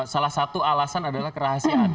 salah satu alasan adalah kerahasiaan